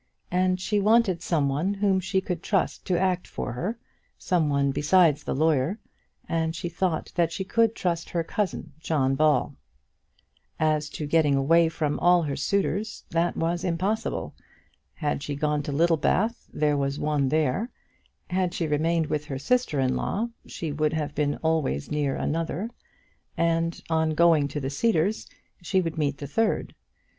And she wanted some one whom she could trust to act for her, some one besides the lawyer, and she thought that she could trust her cousin, John Ball. As to getting away from all her suitors that was impossible. Had she gone to Littlebath there was one there; had she remained with her sister in law, she would have been always near another; and, on going to the Cedars, she would meet the third.